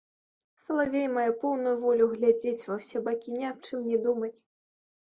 Салавей мае поўную волю глядзець ва ўсе бакі, ні аб чым не думаць.